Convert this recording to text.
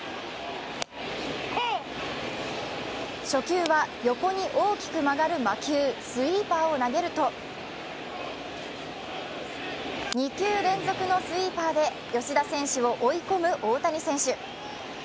初球は横に大きく曲がる魔球スイーパーを投げると２球連続のスイーパーで吉田選手を追い込む大谷選手。